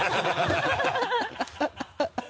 ハハハ